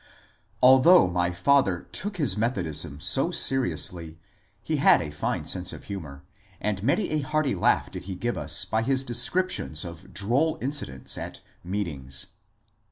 Although my father took his Methodism so seriously, he had a fine sense of humour, and many a hearty laugh did he give us by his descriptions of droll incidents at ^^ meetings."